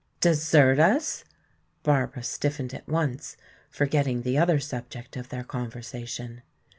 "Desert us?" Barbara stiffened at once, forgetting the other subject of their conversation.